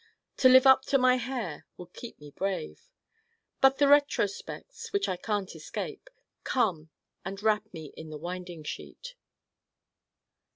To live up to my hair would keep me brave. But the retrospects, which I can't escape, come and wrap me in the Winding Sheet.